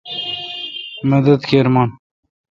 مدد کیر من۔